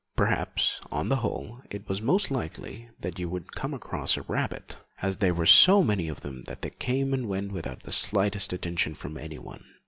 Perhaps, on the whole, it was most likely that you would come across a rabbit, as there were so many of them that they came and went without the slightest attention from anyone.